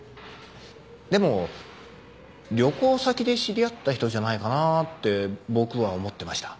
でも旅行先で知り合った人じゃないかなって僕は思ってました。